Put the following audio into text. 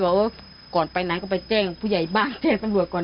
แล้วก่อนไปนั้นก็ไปแจ้งผู้ใหญ่บ้านเจ้าส่วนหวัดก่อน